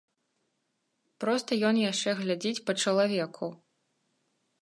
Проста ён яшчэ глядзіць па чалавеку.